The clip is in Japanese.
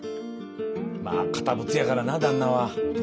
まあ堅物やからな旦那は。